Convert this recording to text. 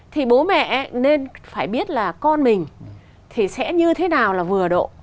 thì bố mẹ nên phải biết là con mình thì sẽ như thế nào là vừa độ